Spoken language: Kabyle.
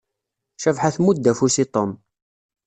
Cabḥa tmudd afus i Tom.